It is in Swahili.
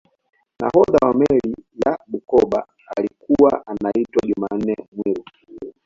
nahodha wa meli ya bukoba alikuwa anaitwa jumanne mwiru